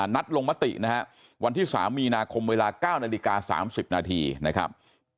ลงมตินะฮะวันที่๓มีนาคมเวลา๙นาฬิกา๓๐นาทีนะครับ